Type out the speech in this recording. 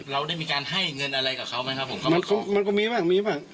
เราได้มีการให้เงินอะไรกับเขาไหมครับผมมันก็มีบ้างมีบ้าง